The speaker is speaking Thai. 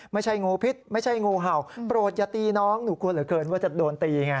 ไม่ใช่งูพิษไม่ใช่งูเห่าโปรดอย่าตีน้องหนูกลัวเหลือเกินว่าจะโดนตีไง